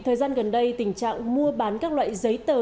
thời gian gần đây tình trạng mua bán các loại giấy tờ